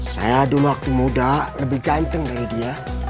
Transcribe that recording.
saya dulu waktu muda lebih ganteng dari dia